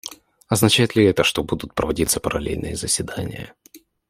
Означает ли это, что будут проводиться параллельные заседания?